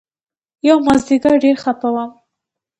يومازديگر ډېر خپه وم.